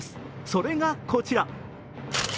それがこちら。